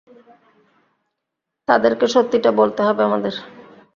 তাদেরকে সত্যিটা বলতে হবে আমাদের।